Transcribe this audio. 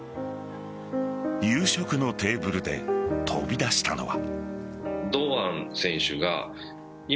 夕食のテーブルで飛び出したのは。